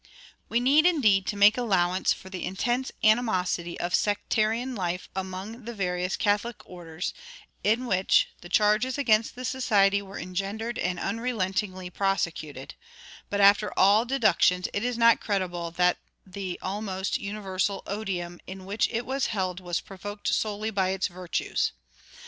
We need, indeed, to make allowance for the intense animosity of sectarian strife among the various Catholic orders in which the charges against the society were engendered and unrelentingly prosecuted; but after all deductions it is not credible that the almost universal odium in which it was held was provoked solely by its virtues.